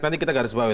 nanti kita garis bawah